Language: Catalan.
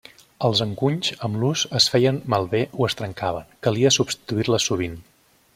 Els encunys amb l'ús es feien malbé o es trencaven, calia substituir-les sovint.